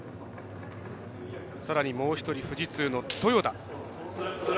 さらに、もう一人、富士通の豊田。